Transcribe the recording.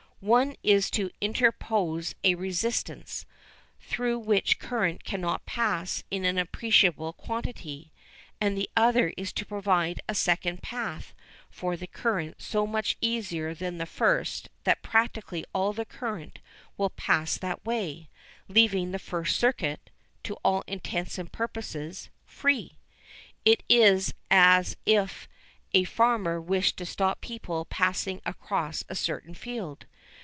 One is to interpose a resistance, through which current cannot pass in an appreciable quantity, and the other is to provide a second path for the current so much easier than the first that practically all the current will pass that way, leaving the first circuit, to all intents and purposes, free. It is as if a farmer wished to stop people passing across a certain field.